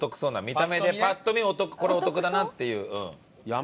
見た目でパッと見お得これお得だなっていう。